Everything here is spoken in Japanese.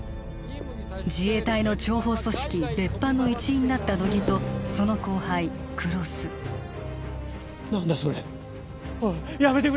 自衛隊の諜報組織別班の一員だった乃木とその後輩黒須何だそれおいやめてくれ！